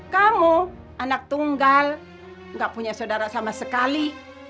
kamu anak tunggal nggak punya saudara sama sekali